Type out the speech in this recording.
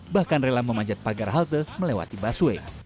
bahkan rela memanjat pagar halte melewati busway